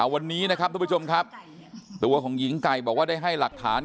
วันนี้นะครับทุกผู้ชมครับตัวของหญิงไก่บอกว่าได้ให้หลักฐาน